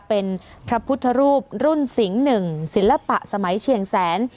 เป็นพระพุทธรูปรุ่นสิงห์๑ศิลปะสมัยเชียงแสน